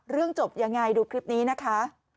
เรื่องจบยังไงดูคลิปนี้นะคะ